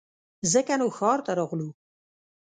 ځکه نو ښار ته راغلو